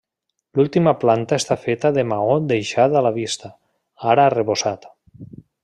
L'última planta està feta de maó deixat a la vista, ara arrebossat.